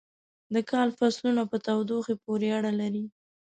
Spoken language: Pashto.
د کال فصلونه په تودوخې پورې اړه لري.